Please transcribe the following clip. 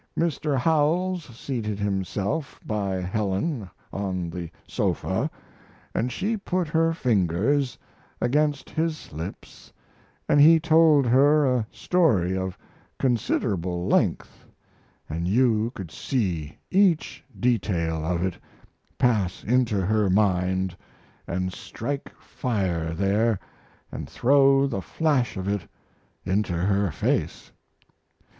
Mr. Howells seated himself by Helen on the sofa, and she put her fingers against his lips and he told her a story of considerable length, and you could see each detail of it pass into her mind and strike fire there and throw the flash of it into her face.